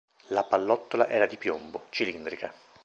La pallottola era di piombo, cilindrica.